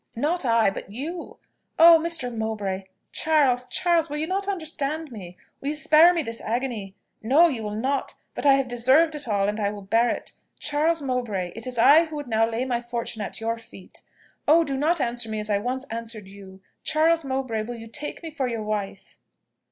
"Not I but you. Oh! Mr. Mowbray! Charles! Charles! will you not understand me? Will you spare me this agony? No? you will not. But I have deserved it all, and I will bear it. Charles Mowbray! it is I who would now lay my fortune at your feet. Oh! do not answer me as I once answered you! Charles Mowbray, will you take me for your wife!"